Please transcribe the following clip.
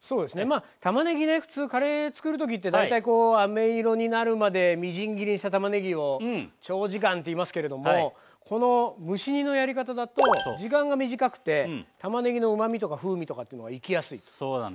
たまねぎね普通カレーつくる時って大体あめ色になるまでみじん切りにしたたまねぎを長時間って言いますけれどもこの蒸し煮のやり方だと時間が短くてたまねぎのうまみとか風味とかってのが生きやすいということですね。